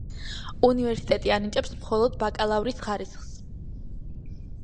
უნივერსიტეტი ანიჭებს მხოლოდ ბაკალავრის ხარისხს.